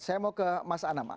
saya mau ke mas anam